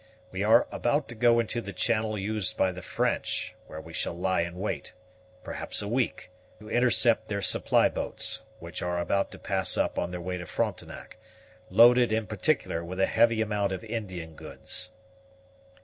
We are about to go into the channel used by the French, where we shall lie in wait, perhaps a week, to intercept their supply boats, which are about to pass up on their way to Frontenac, loaded, in particular, with a heavy amount of Indian goods."